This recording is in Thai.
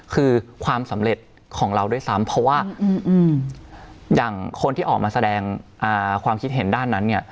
คือความสำเร็จของเราด้วยซ้ำเพราะว่าอย่างคนที่ออกมาแสดงความคิดเห็นด้านนั้นเนี่ย